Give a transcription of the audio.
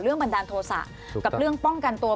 บันดาลโทษะกับเรื่องป้องกันตัว